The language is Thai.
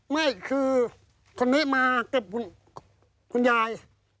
ไม่คือคนนี้มาเก็บคุณยาย